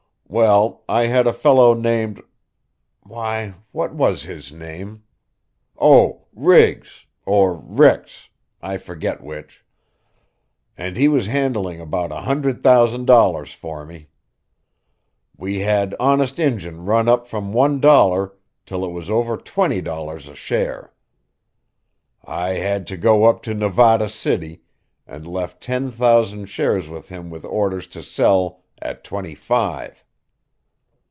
Well, I had a fellow named why, what was his name? oh, Riggs, or Rix, I forget which, and he was handling about a hundred thousand dollars for me. We had Honest Injun run up from one dollar till it was over twenty dollars a share. I had to go up to Nevada City, and left ten thousand shares with him with orders to sell at twenty five."